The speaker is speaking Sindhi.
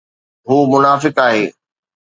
هو منافق آهي